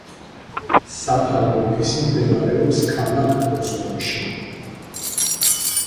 სათავო ოფისი მდებარეობს ქალაქ ბოსტონში.